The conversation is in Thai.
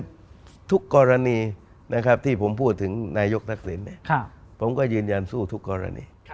ทุกกรณีนะครับที่ผมพูดถึงนายกทักษิณผมก็ยืนยันสู้ทุกกรณี